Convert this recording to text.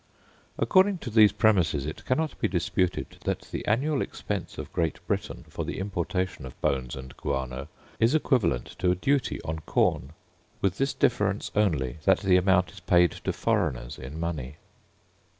According to these premises, it cannot be disputed, that the annual expense of Great Britain for the importation of bones and guano is equivalent to a duty on corn: with this difference only, that the amount is paid to foreigners in money.